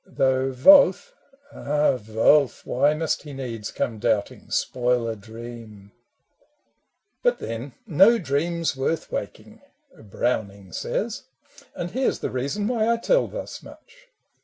— though Wolf — ah, Wolf I Why must he needs come doubting, spoil a dream ? But then "No dream 's worth waking" — Browning says: And here 's the reason why I tell thus much.